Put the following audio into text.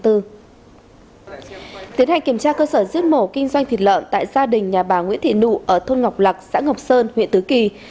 tiến hành kiểm tra cơ sở giết mổ kinh doanh thịt lợn tại gia đình nhà bà nguyễn thị nụ ở thôn ngọc lạc xã ngọc sơn huyện tứ kỳ